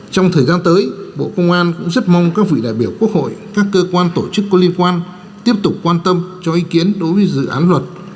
trong thời gian tới bộ công an cũng rất mong các vị đại biểu quốc hội các cơ quan tổ chức có liên quan tiếp tục quan tâm cho ý kiến đối với dự án luật